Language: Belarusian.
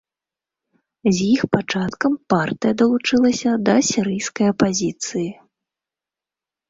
З іх пачаткам партыя далучылася да сірыйскай апазіцыі.